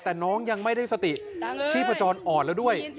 แต่น้องยังไม่ได้สติชีพจรอ่อนแล้วด้วย